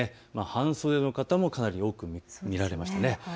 半袖の方もかなり多く見られました。